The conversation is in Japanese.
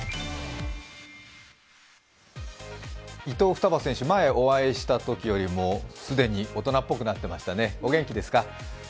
伊藤ふたば選手、前お会いしたときよりも既に大人っぽくなっていましたね、お元気ですか？